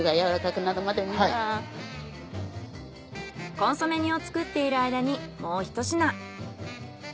コンソメ煮を作っている間にもうひと品。